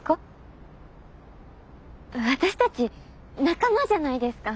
私たち仲間じゃないですか。